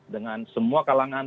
dengan semua kalangan